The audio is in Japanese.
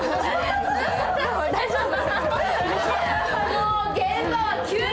大丈夫？